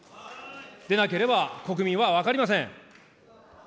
でなければ、国民は分かりません。